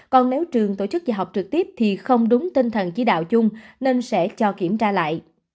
còn nếu trường tổ chức dạy học trực tiếp thì không đúng tinh thần chỉ đạo chung nên sẽ cho kiểm tra lại